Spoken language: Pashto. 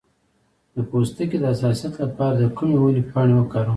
د پوستکي د حساسیت لپاره د کومې ونې پاڼې وکاروم؟